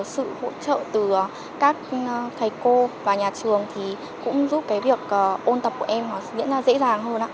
sự hỗ trợ từ các thầy cô và nhà trường cũng giúp việc ôn tập của em diễn ra dễ dàng hơn